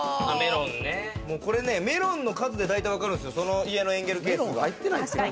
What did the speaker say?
これ、メロンの数で大体分かるんですよ、その家のエンゲル係数が。